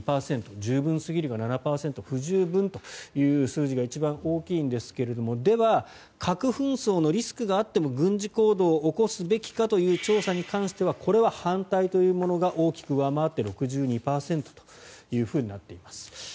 十分すぎるが７％不十分という数字が一番大きいんですがでは、各紛争のリスクがあっても軍事行動を起こすべきかという調査に関してはこれは反対というものが大きく上回って６２％となっています。